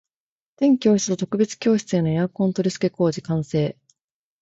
全教室と特別教室へのエアコン取り付け工事完成